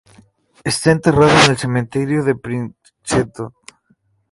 Está enterrada en el cementerio de Princeton.